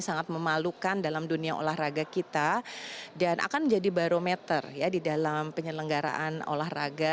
sangat memalukan dalam dunia olahraga kita dan akan menjadi barometer ya di dalam penyelenggaraan olahraga